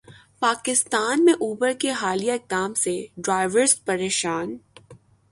پاکستان میں اوبر کے حالیہ اقدام سے ڈرائیورز پریشان